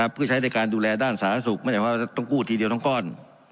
เพื่อใช้ในการดูแลด้านสาธารณสุขไม่ได้ว่าต้องกู้ทีเดียวทั้งก้อน